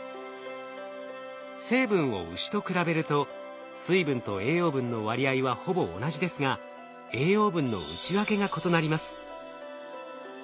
成分をウシと比べると水分と栄養分の割合はほぼ同じですが栄養分の内訳が異なります。